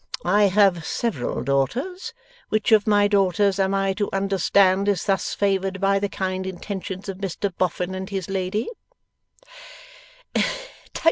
I have several daughters. Which of my daughters am I to understand is thus favoured by the kind intentions of Mr Boffin and his lady?